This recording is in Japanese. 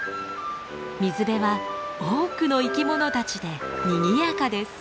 水辺は多くの生き物たちでにぎやかです。